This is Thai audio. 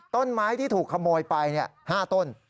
ต้นไม้ที่ถูกขโมยไป๕ต้น